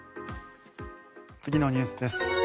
次のニュースです。